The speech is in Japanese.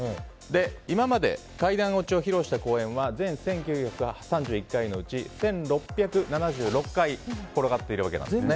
今まで階段落ちを披露した公演は全１９３１回のうち１６７６回転がっているわけなんです。